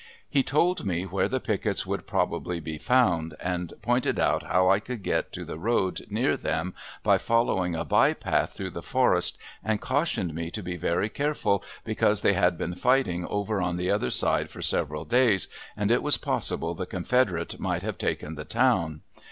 He told me where the pickets would probably be found, and pointed out how I could get to the road near them by following a by path through the forest, and cautioned me to be very careful because they had been fighting over on the other side for several days and it was possible the Confederates might have taken the town.